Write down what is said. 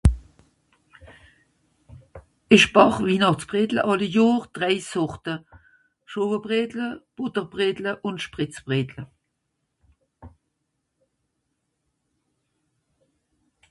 ich bàch Wihnàchtsbredle àlle Johr butterbredle, schwowebredle spritzbredle